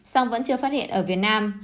song vẫn chưa phát hiện ở việt nam